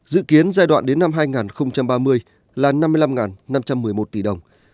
dự kiến giai đoạn đến năm hai nghìn ba mươi là năm mươi năm năm trăm một mươi một tỷ đồng